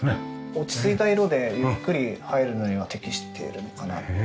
落ち着いた色でゆっくり入るのには適してるのかなと。